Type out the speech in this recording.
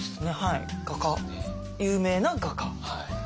有名な画家。